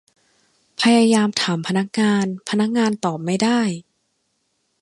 พยายามถามพนักงาน พนักงานตอบไม่ได้